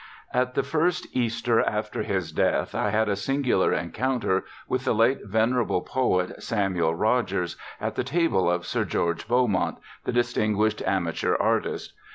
At the first Easter after his death I had a singular encounter with the late venerable poet, Samuel Rogers, at the table of Sir George Beaumont, the distinguished amateur artist.